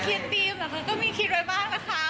คิดเพราะเขามีคิดไว้บ้างนะคะ